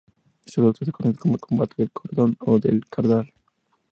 Esta derrota se conoce como Combate del Cordón o del Cardal.